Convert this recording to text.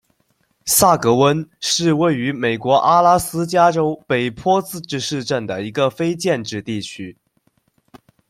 萨格温是位于美国阿拉斯加州北坡自治市镇的一个非建制地区。